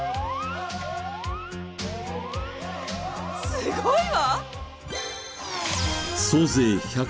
すごいわ！